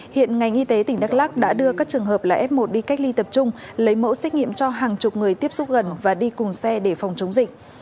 hiện ngành y tế tỉnh đắk lắc đã đưa các trường hợp là f một đi cách ly tập trung lấy mẫu xét nghiệm cho hàng chục người tiếp xúc gần và đi cùng xe để phòng chống dịch